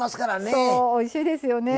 そうおいしいですよね。